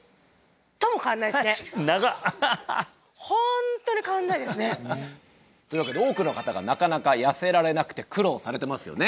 ホントに変わんないですねというわけで多くの方がなかなか痩せられなくて苦労されてますよね